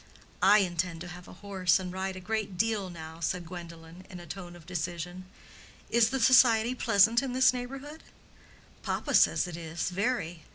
"I intend to have a horse and ride a great deal now," said Gwendolen, in a tone of decision. "Is the society pleasant in this neighborhood?" "Papa says it is, very.